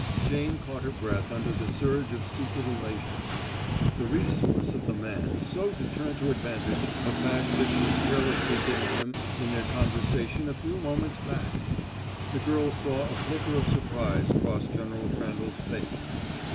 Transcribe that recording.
Jane caught her breath under the surge of secret elation. The resource of the man so to turn to advantage a fact that she had carelessly given him in their conversation of a few moments back! The girl saw a flicker of surprise cross General Crandall's face.